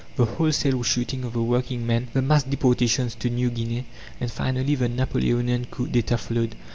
The wholesale shooting of the working men, the mass deportations to New Guinea, and finally the Napoleonian coup d'êtat followed.